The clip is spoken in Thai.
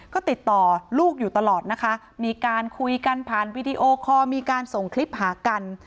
ก็ติดต่อลูกอยู่ตลอดนะคะมีการคุยกันผ่านวีดีโอคอลมีการส่งคลิปหากัน